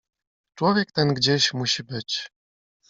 "Człowiek ten gdzieś musi być."